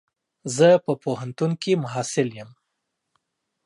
زه په پوهنتون کي محصل يم.